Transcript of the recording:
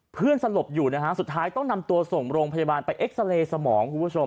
สลบอยู่นะฮะสุดท้ายต้องนำตัวส่งโรงพยาบาลไปเอ็กซาเรย์สมองคุณผู้ชม